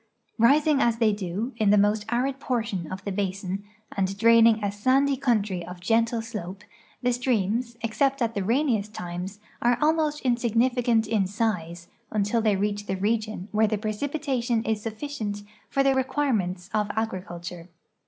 Rising as they do, in the most arid portion of the basin, and draining a sand}" country of gentle slope, the streams, except at the rainiest times, are almost insignificant in size until they reach the region where the precipitation is sufficient for the re quirements of agriculture.